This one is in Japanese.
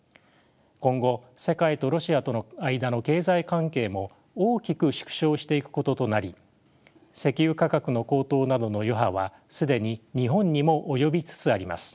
今後世界とロシアとの間の経済関係も大きく縮小していくこととなり石油価格の高騰などの余波は既に日本にも及びつつあります。